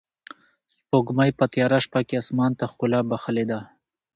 سپوږمۍ په تیاره شپه کې اسمان ته ښکلا بښلې ده.